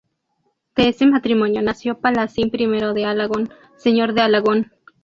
De este matrimonio nació Palacín I de Alagón, señor de Alagón.